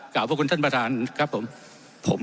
พระคุณท่านประธานครับผม